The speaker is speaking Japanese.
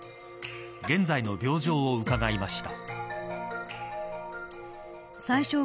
現在の病状を伺いました。